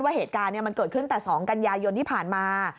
เหตุการณ์มันเกิดขึ้นแต่๒กันยายนที่ผ่านมา